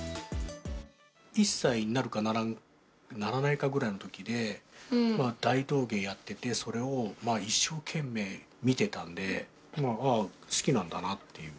１歳になるかならないかぐらいのときで、大道芸やってて、それを一生懸命見てたんで、ああ、好きなんだなっていう。